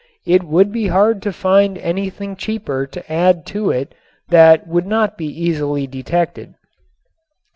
It would be hard to find anything cheaper to add to it that would not be easily detected.